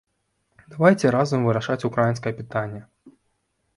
Давайце разам вырашаць украінскае пытанне.